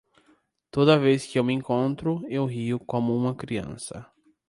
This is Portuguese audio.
Toda vez que eu me encontro, eu rio como uma criança.